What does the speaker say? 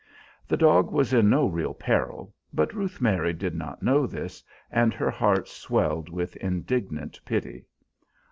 The dog was in no real peril, but Ruth Mary did not know this, and her heart swelled with indignant pity.